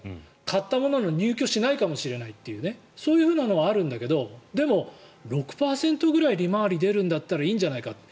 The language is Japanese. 買ったものの入居しないかもしれないというそういうのはあるんだけどでも、６％ぐらい利回りが出るんだったらいいんじゃないかって。